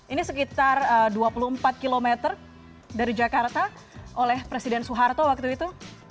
ini sekitar dua puluh empat km dari jakarta oleh presiden soeharto waktu itu